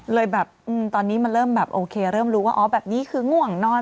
เลยแบบตอนนี้มันเริ่มแบบโอเคเริ่มรู้ว่าอ๋อแบบนี้คือง่วงนอน